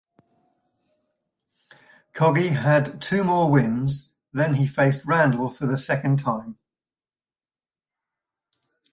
Coggi had two more wins, then he faced Randall for the second time.